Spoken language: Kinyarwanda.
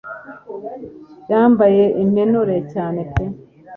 yambaye impenure cyane pe